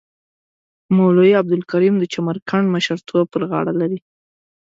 مولوی عبدالکریم د چمرکنډ مشرتوب پر غاړه لري.